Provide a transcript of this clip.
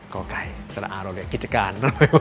ก่อกไก่สละอารว์เลยกิจการ